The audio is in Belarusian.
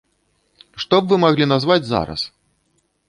Што б вы маглі назваць зараз?